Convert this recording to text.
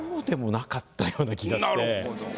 なるほど。